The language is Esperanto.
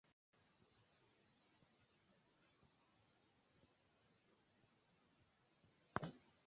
Ĉe lia blazono dominas la Mario-bildo disde la Gloriosa-kampano.